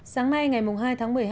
sáng nay ngày hai tháng một mươi hai